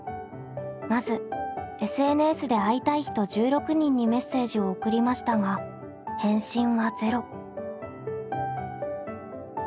まずＳＮＳで会いたい人１６人にメッセージを送りましたが返信は０。